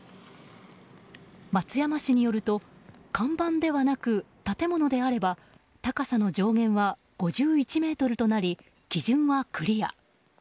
松山市によると看板ではなく建物であれば高さの上限は５１ｍとなり基準はクリア。